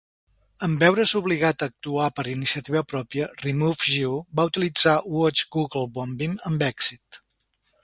En veure's obligat a actuar per iniciativa pròpia, Remove Jew va utilitzar Watch Googlebombing amb èxit...